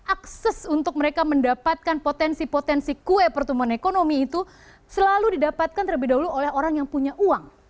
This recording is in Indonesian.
akses untuk mereka mendapatkan potensi potensi kue pertumbuhan ekonomi itu selalu didapatkan terlebih dahulu oleh orang yang punya uang